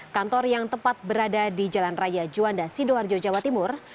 kantor yang tepat berada di jalan raya juanda sidoarjo jawa timur